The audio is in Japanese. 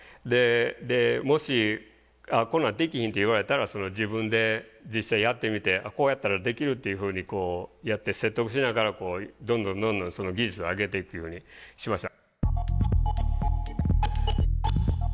でもしこんなんできひんって言われたら自分で実際やってみてこうやったらできるっていうふうにこうやって説得しながらどんどんどんどん技術を上げていくようにしました。